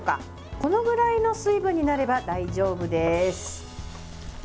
このぐらいの水分になれば大丈夫です。